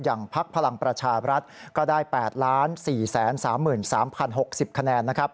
พักพลังประชาบรัฐก็ได้๘๔๓๓๐๖๐คะแนน